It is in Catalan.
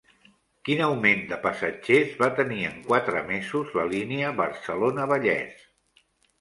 Quin augment de passatgers va tenir en quatre mesos la Línia Barcelona-Vallès?